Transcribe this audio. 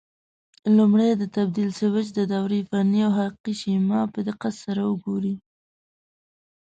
لومړی د تبدیل سویچ د دورې فني او حقیقي شیما په دقت سره وګورئ.